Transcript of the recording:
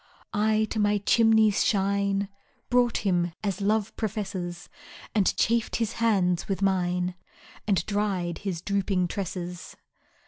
I to my chimney's shine Brought him, as Love professes, And chafed his hands with mine, And dried his drooping tresses.